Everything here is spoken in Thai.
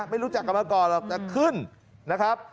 ไม่รู้จักกันมาก่อนหรอกแต่ขึ้นนะครับ